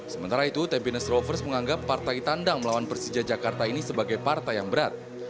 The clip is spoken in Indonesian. sementara itu tampiness rovers menganggap partai tandang melawan persija jakarta ini sebagai partai yang berat